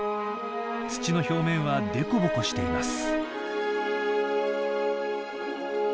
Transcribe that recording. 土の表面はでこぼこしています。